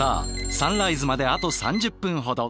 サンライズまであと３０分ほど。